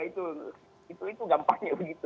itu gampangnya begitu